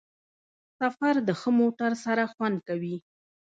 سفر د ښه موټر سره خوند کوي.